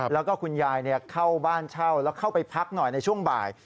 แล้วก็คุณยายเข้าบ้านเช่าแล้วเข้าไปพักหน่อยในช่วงบ่าย